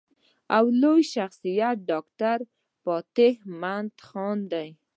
او لوئ شخصيت ډاکټر فتح مند خان دے ۔